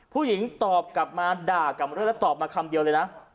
ผู้หญิงตอบกลับมาด่ากลับมาด้วยแล้วตอบมาคำเดียวเลยนะ